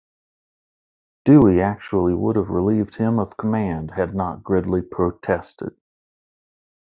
Dewey actually would have relieved him of command had not Gridley protested.